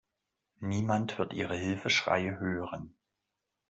Niemand wird Ihre Hilfeschreie hören.